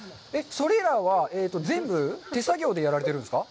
それらは、全部手作業でやられているんですか。